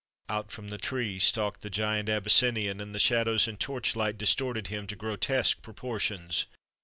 Out from the trees stalked the giant Abyssinian, and the shadows and torchlight distorted him to grotesque proportions.